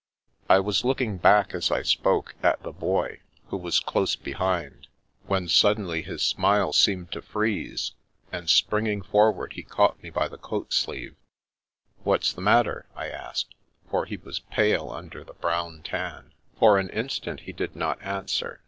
I was looking back, as I spoke, at the Boy, who was close behind, when suddenly his smile seemed 278 The Princess Passes to freeze, and springing forward he caught me by the coat sleeve. " What's the matter ?" I asked, for he was pale under the brown tan. For an instant he did not answer.